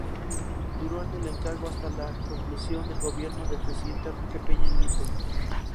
Duró en el encargo hasta la conclusión del Gobierno del presidente Enrique Peña Nieto.